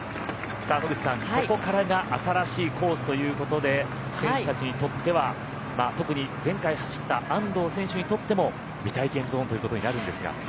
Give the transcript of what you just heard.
野口さん、ここからが新しいコースということで選手たちにとっては特に前回走った安藤選手にとっても未体験ゾーンということになるんですが。